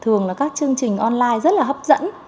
thường là các chương trình online rất là hấp dẫn